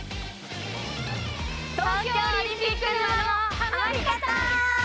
東京オリンピック沼のハマり